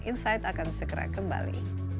insight akan segera kembali